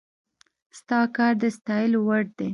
ستا کار د ستايلو وړ دی